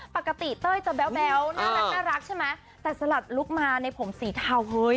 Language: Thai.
ปกติเต้ยจะแบ๊วน่ารักใช่ไหมแต่สลัดลุคมาในผมสีเทาเฮ้ย